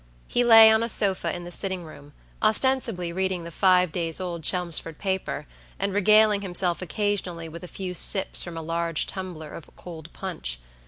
He lay on a sofa in the sitting room, ostensibly reading the five days old Chelmsford paper, and regaling himself occasionally with a few sips from a large tumbler of cold punch.